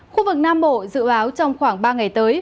khu vực nam bộ dự báo trong khoảng ba ngày tới